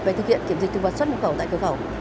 về thực hiện kiểm dịch thực vật xuất nhập khẩu tại cửa khẩu